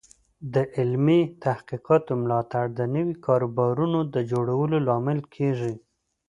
د علمي تحقیقاتو ملاتړ د نوي کاروبارونو د جوړولو لامل کیږي.